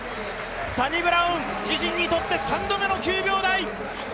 サニブラウン、自身にとって３度目の９秒台。